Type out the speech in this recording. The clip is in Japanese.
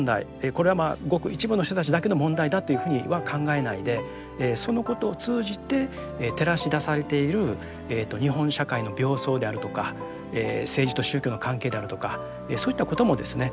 これはごく一部の人たちだけの問題だというふうには考えないでそのことを通じて照らし出されている日本社会の病巣であるとか政治と宗教の関係であるとかそういったこともですね